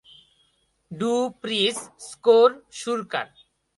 Do প্রিজ score সুরকার।